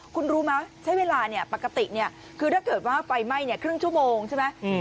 คุณรู้ไหมใช้เวลาปกติคือถ้าเกิดว่าไฟไหม้ครึ่งชั่วโมงใช่ไหม